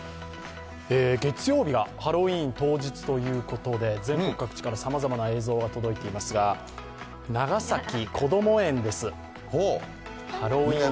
月曜日がハロウィーン当日ということで全国各地から、さまざまな映像が届いていますが、長崎こども園です。